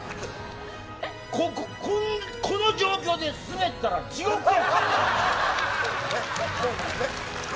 この状況ですべったら地獄やで。